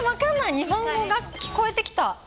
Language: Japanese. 日本語が聞こえてきた。